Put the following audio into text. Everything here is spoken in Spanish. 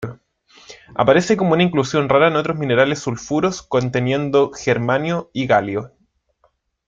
Aparece como una inclusión rara en otros minerales sulfuros conteniendo germanio y galio.